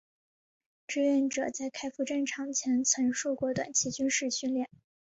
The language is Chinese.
志愿者在开赴战场前曾受过短期军事训练。